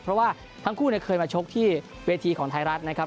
เพราะว่าทั้งคู่เคยมาชกที่เวทีของไทยรัฐนะครับ